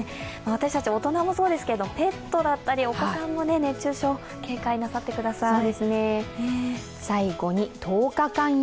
私たち大人もそうですが、ペットだったりお子さんも熱中症、警戒なさってください。